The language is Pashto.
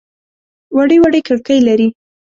وړې وړې کړکۍ لري.